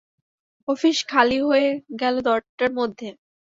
Office খালি হয়ে গেল দেড়টার মধ্যে।